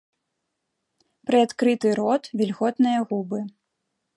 Прыадкрыты рот, вільготныя губы.